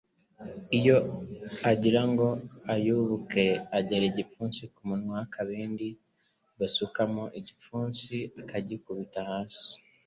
iyo agirango iyubuke agera igipfunsi ku munwa w’akabindi basukamo, igipfunsi akagikubita hasi,